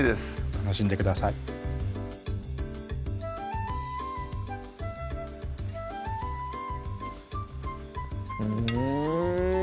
楽しんでくださいうん！